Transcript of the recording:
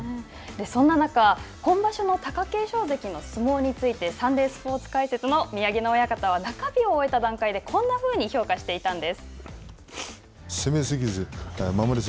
そんな中、今場所の貴景勝関の相撲についてサンデースポーツ解説の宮城野親方は中日を終えた段階でこんなふうに評価をしていたんです。